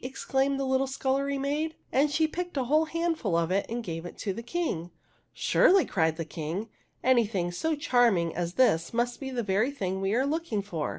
exclaimed the little scullery maid, and she picked a whole handful of it and gave it to the King. '' Surely," cried the King, '' anything so charming as this must be the very thing we are looking for!"